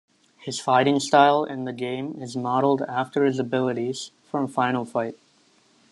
His fighting style in the game is modeled after his abilities from "Final Fight".